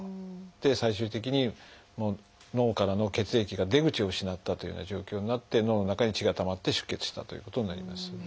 最終的に脳からの血液が出口を失ったというような状況になって脳の中に血がたまって出血したということになります。